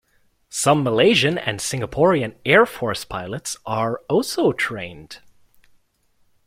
Some Malaysian and Singaporean Air Force pilots are also trained.